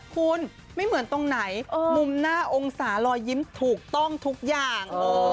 คุณไม่เหมือนตรงไหนมุมหน้าองศารอยยิ้มถูกต้องทุกอย่าง